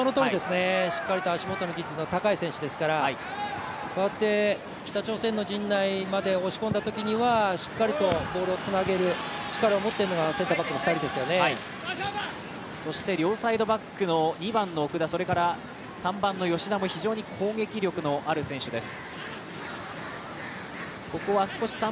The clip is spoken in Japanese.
しっかりと足元の技術の高い選手ですから、北朝鮮の陣内まで押し込んだときにはしっかりとボールをつなげる力を持っているのが両サイドバックの２番の奥田それから３番の吉田も非常に攻撃力のある選手です。